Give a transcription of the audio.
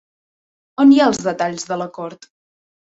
On hi ha els detalls de l'acord?